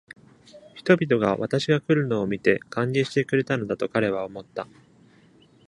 人々が私が来るのを見て、歓迎してくれたのだと彼は思った。